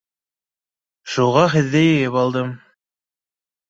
— Шуға һеҙҙе йыйып алдым.